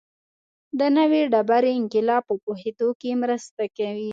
د نوې ډبرې انقلاب په پوهېدو کې مرسته کوي.